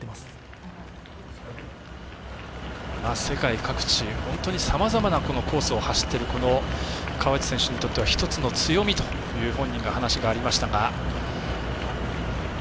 世界各地、本当にさまざまなコースを走ってる川内選手にとっては１つの強みという本人の話がありましたが。